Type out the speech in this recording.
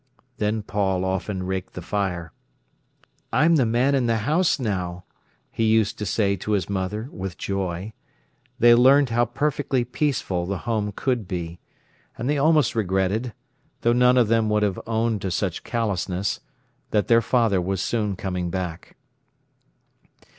Then Paul often raked the fire. "I'm the man in the house now," he used to say to his mother with joy. They learned how perfectly peaceful the home could be. And they almost regretted—though none of them would have owned to such callousness—that their father was soon coming back.